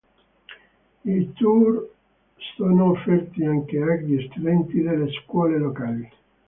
I tour sono offerti anche agli studenti delle scuole locali.